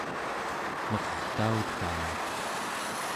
mertautaa